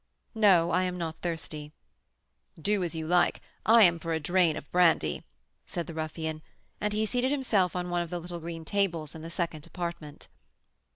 "No; I am not thirsty." "Do as you like, I am for a 'drain' of brandy," said the ruffian; and he seated himself on one of the little green tables in the second apartment.